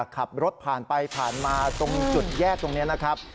ขับรถผ่านไปผ่านมาตรงจุดแยกตรงนี้นะครับ